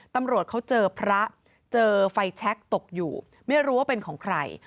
ตำรวจเขาเจอพระเจอไฟแชคตกอยู่ไม่รู้ว่าเป็นของใคร